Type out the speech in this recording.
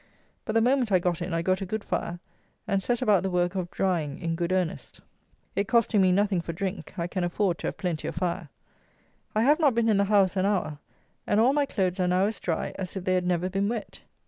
But the moment I got in I got a good fire, and set about the work of drying in good earnest. It costing me nothing for drink, I can afford to have plenty of fire. I have not been in the house an hour; and all my clothes are now as dry as if they had never been wet.